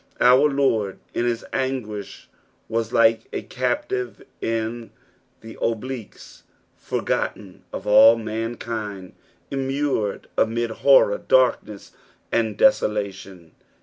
Our Lord in his au^ish was like a captive ia the ouMuitet, forgotten of all mankind, immured amtd horror, darkness, and desola tion.